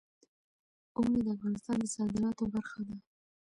اوړي د افغانستان د صادراتو برخه ده.